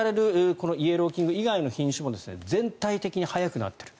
このイエローキング以外の品種も全体的に早くなってる。